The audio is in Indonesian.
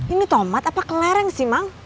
ini tomat apa kelereng sih mang